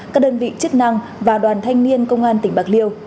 các đơn vị chức năng và đoàn thanh niên công an tỉnh bạc liêu